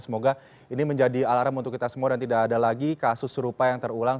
semoga ini menjadi alarm untuk kita semua dan tidak ada lagi kasus serupa yang terulang